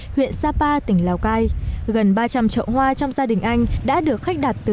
huyện sapa tỉnh lào cai